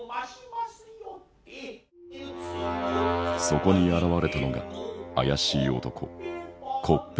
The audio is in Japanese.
そこに現れたのが怪しい男コッペパン。